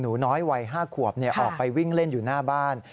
หนูน้อยวัย๕ขวบออกไปวิ่งเล่นอยู่หน้าบ้าน